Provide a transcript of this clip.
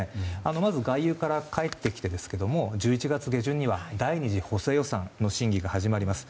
まず外遊から帰ってきて１１月下旬には第２次補正予算の審議が始まります。